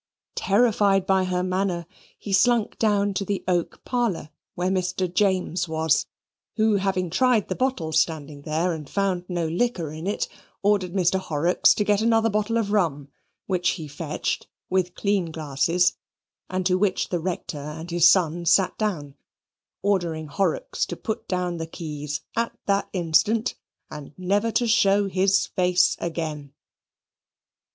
Terrified by her manner, he slunk down to the oak parlour where Mr. James was, who, having tried the bottle standing there and found no liquor in it, ordered Mr. Horrocks to get another bottle of rum, which he fetched, with clean glasses, and to which the Rector and his son sat down, ordering Horrocks to put down the keys at that instant and never to show his face again.